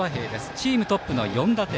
チームトップの４打点。